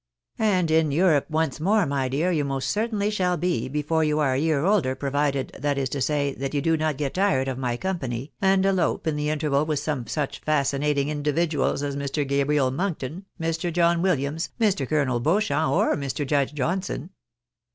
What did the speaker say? " And in Europe once more, my dear, you most certainly shall be before you are a year older, provided, that is to say, that you do not get tired of my company, and elope in the interval with some such fascinating individuals as Mr. Gabriel Monkton, Mr. John Williams, Mr. Colonel Beauchamp, or J\Ir. Judge Johnson.